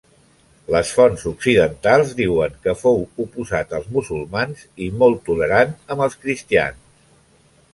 Les fonts occidentals diuen que fou oposat als musulmans i molt tolerant amb els cristians.